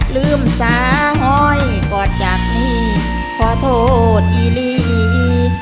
ลืมสาหอยก่อนจากนี้ขอโทษอีลี